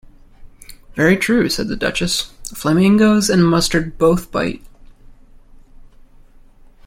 ‘Very true,’ said the Duchess: ‘flamingoes and mustard both bite’.